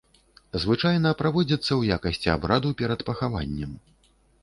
Звычайна праводзіцца ў якасці абраду перад пахаваннем.